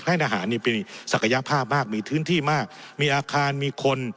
ค่ายทหารนี่เป็นศักยภาพมากมีทื้นที่มากมีอาคารมีคน